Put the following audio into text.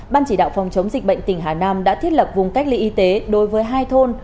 ban chỉ đạo phòng chống dịch bệnh tỉnh hà nam đã thiết lập vùng cách ly y tế đối với hai thôn